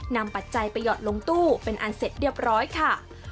ปัจจัยไปหยอดลงตู้เป็นอันเสร็จเรียบร้อยค่ะ